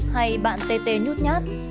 hay bạn tê tê nhút nhát